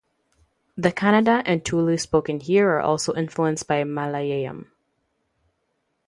The Kannada and Tulu spoken here are also influenced by Malayalam.